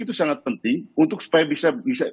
itu sangat penting untuk supaya bisa